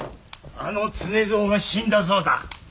あの常蔵が死んだそうだ。